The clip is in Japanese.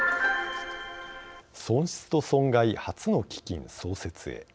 損失と損害、初の基金創設へ。